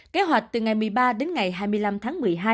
kế hoạch từ ngày một mươi ba đến ngày hai mươi năm tháng một mươi hai